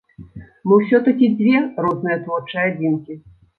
Мы ўсё-такі дзве розныя творчыя адзінкі.